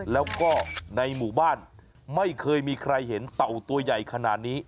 แล้วก็ในหมู่บ้านไม่เคยมีใครเห็นเต่าตัวใหญ่ขนาดนี้